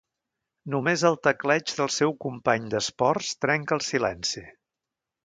Només el tecleig del seu company d'esports trenca el silenci.